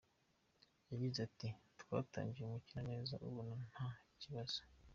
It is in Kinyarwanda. Yagize ati “Twatangiye umukino neza ubona ko nta kibazo.